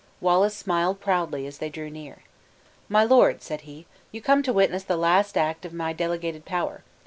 Wallace smiled proudly as they drew near. "My lords," said he, "you come to witness the last act of my delegated power!